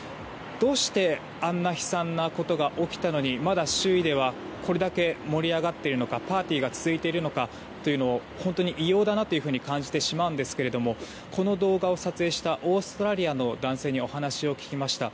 どうしてあんな悲惨なことが起きたのにまだ、周囲ではこれだけ盛り上がっているのかパーティーが続いているのかというのを本当に異様だなというふうに感じてしまうんですがこの動画を撮影したオーストラリアの男性にお話を聞きました。